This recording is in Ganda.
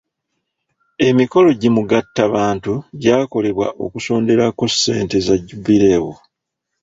Emikolo gi mugattabantu gyakolebwa okusonderako ssente za jubireewo